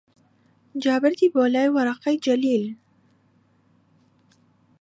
جا بردی بۆلای وەرەقەی جەلیل